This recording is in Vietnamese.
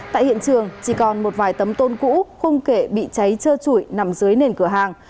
tại hiện trường chỉ còn một vài tấm tôn cũ không kể bị cháy trơ trụi nằm dưới nền cửa hàng